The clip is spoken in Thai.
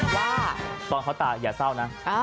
ว่าตอนเขาตายอย่าเศร้านะ